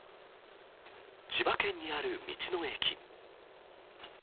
千葉県にある道の駅。